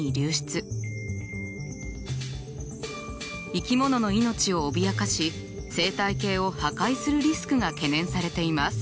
生き物の命を脅かし生態系を破壊するリスクが懸念されています。